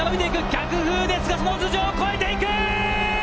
逆風ですが、その頭上を越えていくー！